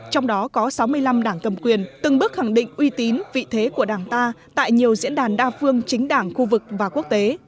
trong đó có sáu mươi năm đảng cầm quyền từng bước khẳng định uy tín vị thế của đảng ta tại nhiều diễn đàn đa phương chính đảng khu vực và quốc tế